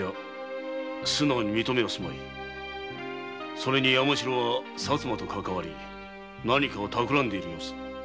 それに山城は薩摩とかかわり何かをたくらんでいる様子。